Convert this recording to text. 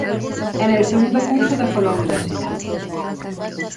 En el segundo curso dejó la universidad.